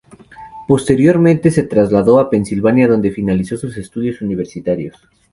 Posteriormente se trasladó a Pennsylvania donde finalizó sus estudios universitarios.